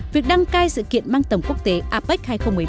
việc đăng cai sự kiện mang tầm quốc tế apec hai nghìn một mươi năm